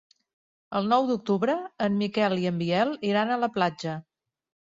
El nou d'octubre en Miquel i en Biel iran a la platja.